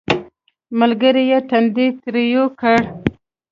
ملګري یې تندی ترېو کړ